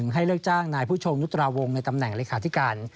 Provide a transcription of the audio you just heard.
ให้เลิกจ้างนายผู้ชงนุตราวงในตำแหน่งเลขาธิการ